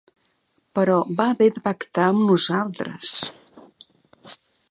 Però va haver de pactar amb nosaltres.